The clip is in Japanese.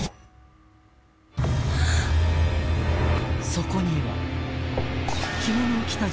［そこには］